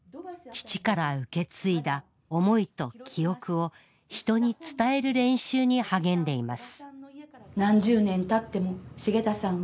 父から受け継いだ思いと記憶を人に伝える練習に励んでいます